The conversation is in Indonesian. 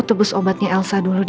saya tebus obatnya elsa dulu deh